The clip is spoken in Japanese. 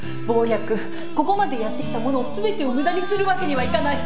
ここまでやってきたもの全てを無駄にするわけにはいかない。